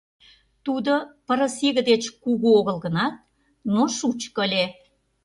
Тудо пырыс иге деч кугу огыл гынат, но шучко ыле.